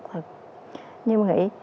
nhưng mà nghĩ